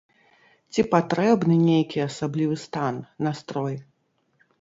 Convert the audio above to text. Ці патрэбны нейкі асаблівы стан, настрой?